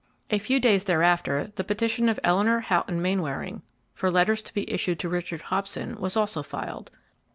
A few days thereafter, the petition of Eleanor Houghton Mainwaring, for letters to be issued to Richard Hobson, was also filed.